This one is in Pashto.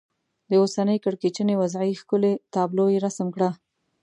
د اوسنۍ کړکېچنې وضعې ښکلې تابلو یې رسم کړه.